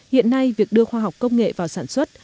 hiện nay việc đưa khoa học công nghệ vào sản xuất